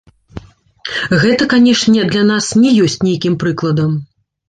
Гэта, канечне, для нас не ёсць нейкім прыкладам.